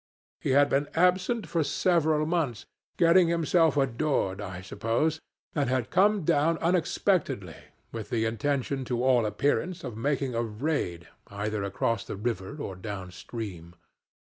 He had been absent for several months getting himself adored, I suppose and had come down unexpectedly, with the intention to all appearance of making a raid either across the river or down stream.